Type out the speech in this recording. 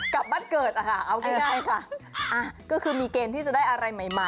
กลับบ้านเกิดนะคะเอาง่ายค่ะอ่าก็คือมีเกมที่จะได้อะไรใหม่